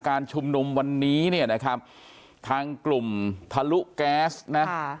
การชุมนุมวันนี้เนี่ยนะครับทางกลุ่มทะลุแก๊สนะค่ะ